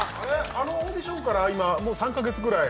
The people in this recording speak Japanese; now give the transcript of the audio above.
あのオーディションから今もう３カ月ぐらい？